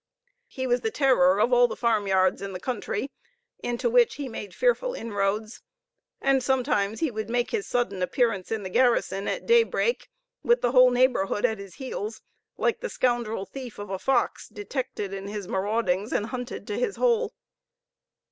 He was the terror of all the farmyards in the country, into which he made fearful inroads; and sometimes he would make his sudden appearance in the garrison at daybreak, with the whole neighborhood at his heels; like the scoundrel thief of a fox, detected in his maraudings and hunted to his hole.